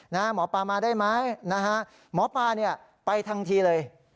หมอปลามาได้ไหมนะฮะหมอปลาเนี่ยไปทันทีเลย